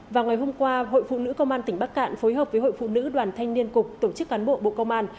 vào ngày hôm qua hội phụ nữ công an tỉnh bắc cạn phối hợp với hội phụ nữ đoàn thanh niên cục tổ chức cán bộ bộ công an